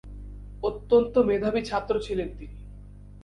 অত্যন্ত মেধাবী ছাত্র ছিলেন তিনি।